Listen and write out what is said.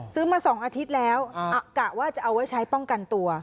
ซื้อมา๒อาทิตย์แล้วกะว่าจะเอาไว้ใช้ป้องกันตัว